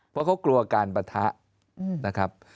เพราะเขากลัวการปะทะนะครับ